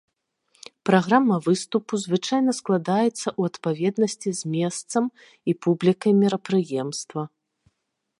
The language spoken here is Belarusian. Праграма выступу звычайна складаецца ў адпаведнасці з месцам і публікай мерапрыемства.